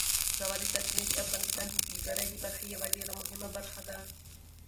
ژورې سرچینې د افغانستان د سیلګرۍ د برخې یوه ډېره مهمه برخه ده.